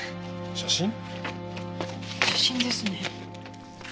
写真ですね。